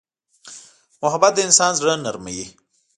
محبت د انسان زړه نرموي.